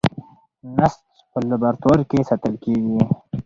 نسج په لابراتوار کې ساتل کېږي.